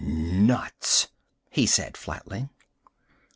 "Nuts!" he said flatly.